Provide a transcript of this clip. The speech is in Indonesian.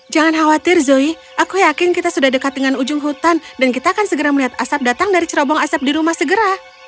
jangan khawatir zoy aku yakin kita sudah dekat dengan ujung hutan dan kita akan segera melihat asap datang dari cerobong asap di rumah segera